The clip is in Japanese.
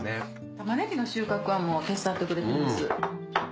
玉ねぎの収穫はもう手伝ってくれてます。